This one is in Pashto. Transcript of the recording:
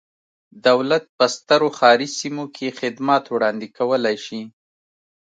دولت په سترو ښاري سیمو کې خدمات وړاندې کولای شي.